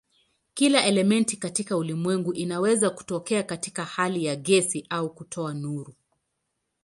Kila elementi katika ulimwengu inaweza kutokea katika hali ya gesi na kutoa nuru.